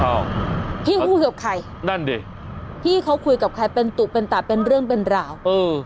พี่คู่กับใครนั่นดิพี่เขาคุยกับใครเป็นตุเป็นตาเป็นเรื่องเป็นราวเออ